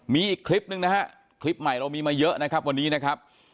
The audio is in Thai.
มีอีกคลิปหนึ่งนะฮะคลิปใหม่เรามีมาเยอะนะครับวันนี้นะครับ